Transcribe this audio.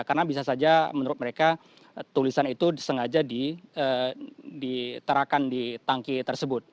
karena bisa saja menurut mereka tulisan itu sengaja diterakan di tangki tersebut